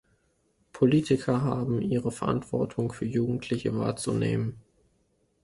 Politiker haben ihre Verantwortung für Jugendliche wahrzunehmen.